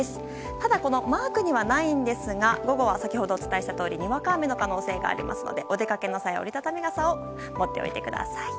ただ、マークにはないんですが午後は、お伝えしたとおりにわか雨の可能性がありますのでお出かけの際、折り畳み傘を持っておいてください。